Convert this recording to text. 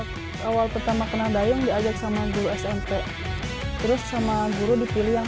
hai awal awal pertama kena dayung diajak sama guru smp terus sama guru dipilih yang